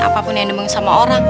apapun yang dimang sama orang